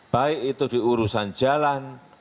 baik itu diurusan jalan